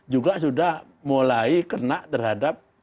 juga sudah mulai kena terhadap